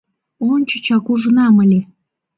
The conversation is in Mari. Ончычак ужынам ыле!